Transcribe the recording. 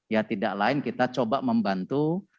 ya tidak lain kita coba membantu